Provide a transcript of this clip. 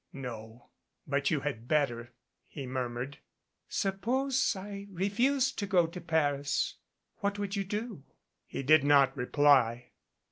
"No but you had better," he murmured. "Suppose I refused to go to Paris. What would you do?" He did not reply.